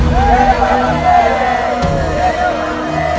perasaan semua saping kayak gini